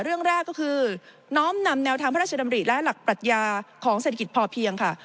เรื่องแรกก็คือน้อมนำแนวทางพระราชดำริและหลักปรัชญาของเศรษฐกิจพอเพียงค่ะ